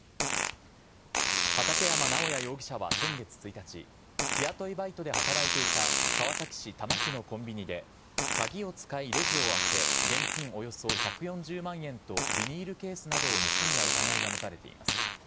畠山直也容疑者は先月１日、日雇いバイトで働いていた、川崎市多摩区のコンビニで、鍵を使いレジを開け、現金およそ１４０万円と、ビニールケースなどを盗んだ疑いが持たれています。